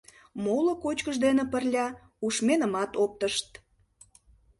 Моло кочкыш дене пырля ушменымат оптышт.